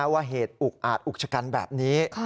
ว่าเหตุอุกอาจอุกชะกันแบบนี้